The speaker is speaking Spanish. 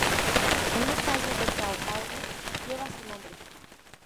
Una calle de São Paulo lleva su nombre.